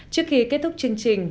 trước khi kết thúc chương trình